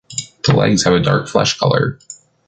The legs have a dark flesh color.